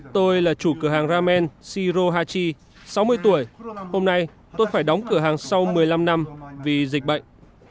tôi là chủ cửa hàng ramen shiro hachi sáu mươi tuổi hôm nay tôi phải đóng cửa hàng sau một mươi năm năm vì dịch bệnh